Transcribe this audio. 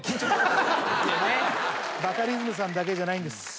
バカリズムさんだけじゃないんです。